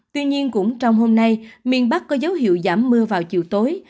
tuy nhiên cũng trong hôm nay miền bắc có dấu hiệu giảm mưa vào chiều tối